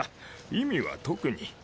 意味は特に。